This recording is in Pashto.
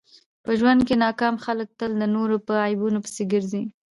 په ژوند کښي ناکام خلک تل د نور په عیبو پيسي ګرځي.